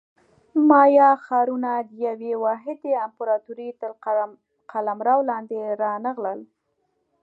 مایا ښارونه د یوې واحدې امپراتورۍ تر قلمرو لاندې رانغلل